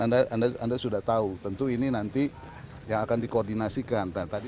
dan anda sudah tahu tentu ini nanti yang akan dikoordinasikan